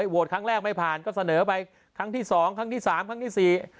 โวดครั้งแรกไม่ผ่านก็เสนอไปครั้งที่๒ครั้งที่๓ครั้งที่๔